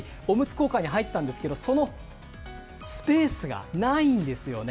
交換に入ったんですけどそのスペースがないんですよね。